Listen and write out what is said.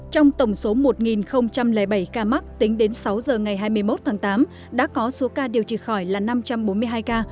trong tổng số một bảy ca mắc tính đến sáu giờ ngày hai mươi một tháng tám đã có số ca điều trị khỏi là năm trăm bốn mươi hai ca